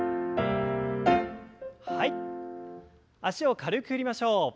脚を軽く振りましょう。